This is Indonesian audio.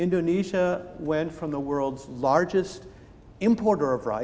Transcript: indonesia berjalan dari pembelian nasi terbesar di dunia